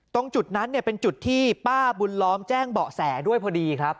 ตรงจุดนั้นเนี่ยเป็นจุดที่ป้าบุญล้อมแจ้งเบาะแสด้วยพอดีครับ